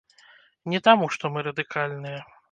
Не таму што мы радыкальныя.